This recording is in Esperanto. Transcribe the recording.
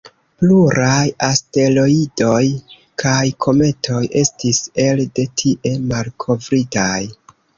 Pluraj asteroidoj kaj kometoj estis elde tie malkovritaj.